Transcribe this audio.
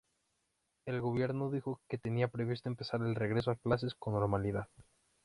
El gobierno dijo que tenía previsto empezar el regreso a clases con normalidad.